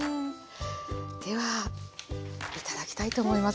では頂きたいと思います。